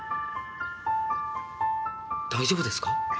大丈夫ですか？